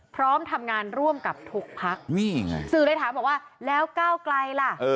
พร้อมทำงานร่วมกับทุกพักนี่ไงสื่อเลยถามบอกว่าแล้วก้าวไกลล่ะ